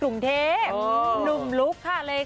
คุณผู้ชมส่วนปีนี้